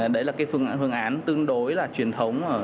đấy là cái phương án tương đối là truyền thống